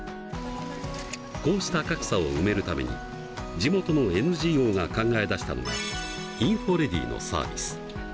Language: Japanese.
こうした格差を埋めるために地元のＮＧＯが考え出したのがインフォレディのサービス。